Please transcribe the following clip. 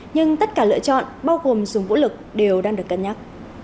nhưng tất cả lựa chọn bao gồm dùng vũ lực đều đang được cân nhắc